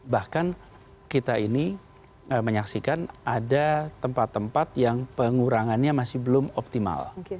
bahkan kita ini menyaksikan ada tempat tempat yang pengurangannya masih belum optimal